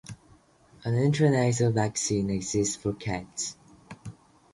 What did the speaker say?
An intranasal vaccine exists for cats.